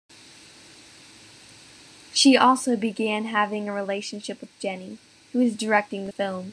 She also began having a relationship with Jenny, who was directing the film.